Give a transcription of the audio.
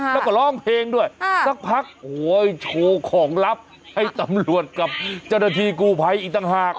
แล้วก็ร้องเพลงด้วยสักพักโอ้โหโชว์ของลับให้ตำรวจกับเจ้าหน้าที่กู้ภัยอีกต่างหาก